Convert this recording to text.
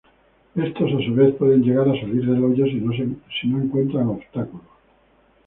Estos a su vez pueden llegar a salir del hoyo si no encuentran obstáculos.